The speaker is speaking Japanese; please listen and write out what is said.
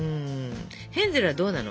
ヘンゼルはどうなの？